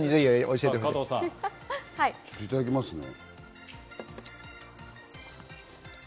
いただきますね。